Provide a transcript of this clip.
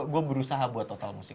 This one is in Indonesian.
gue berusaha buat total musik